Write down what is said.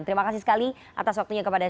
terima kasih sekali atas waktunya kepada